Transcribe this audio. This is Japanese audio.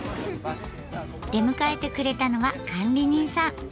出迎えてくれたのは管理人さん。